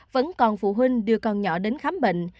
vẫn còn phụ huynh đưa con nhỏ đến khám bệnh